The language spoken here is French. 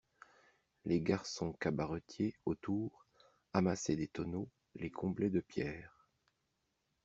Les garçons cabaretiers, autour, amassaient des tonneaux, les comblaient de pierres.